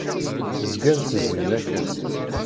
Zgan ttezzin akken.